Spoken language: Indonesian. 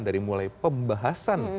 dari mulai pembahasan